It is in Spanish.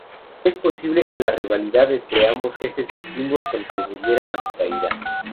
Es posible que la rivalidad entre ambos jefes vikingos contribuyera a su caída.